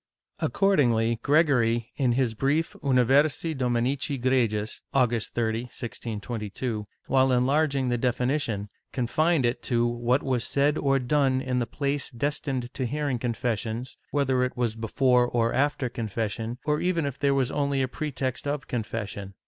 Accordingly Gregory, in his brief Universi Dominici Gregis, August 30, 1622, while enlarging the definition, confined it to what was said or done in the place destined to hearing confessions, whether it was before or after confession, or even if there was only a pretext of confession.